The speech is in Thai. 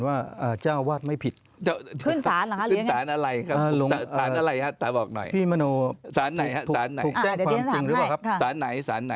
สารไหนสารไหน